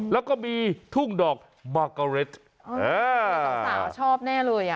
แล้วก็มีทุ่งดอกมากะเร็ดสาวชอบแน่เลยอ่ะ